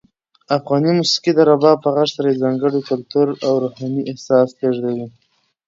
افغاني موسیقي د رباب په غږ سره یو ځانګړی کلتوري او روحاني احساس لېږدوي.